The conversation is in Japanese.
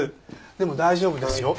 でも大丈夫ですよ。